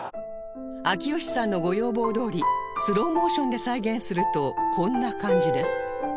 秋吉さんのご要望どおりスローモーションで再現するとこんな感じです